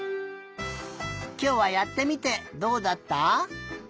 きょうはやってみてどうだった？